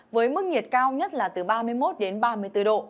với mức nhiệt cao nhất là từ ba mươi một đến ba mươi bốn độ